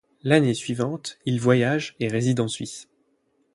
L'année suivante, il voyage et réside en Suisse.